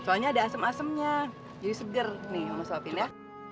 soalnya ada asem asemnya jadi segar nih mama sopin ya